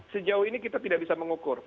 sejauh ini kita tidak bisa mengukur